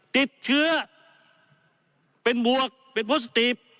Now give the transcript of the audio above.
ติดเชื้อเป็นบวกปกติ